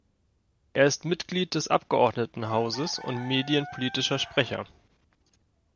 Er ist Mitglied des Abgeordnetenhauses und medienpolitischer Sprecher.